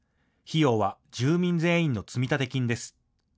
費用は住民全員の積立金です。